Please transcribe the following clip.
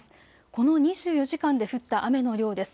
この２４時間で降った雨の量です。